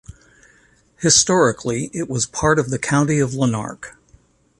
Historically it was part of the County of Lanark.